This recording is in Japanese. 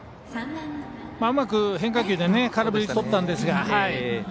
うまく変化球で空振りとったんですが。